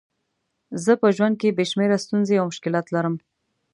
زه په ژوند کې بې شمېره ستونزې او مشکلات لرم.